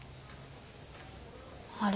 あれ？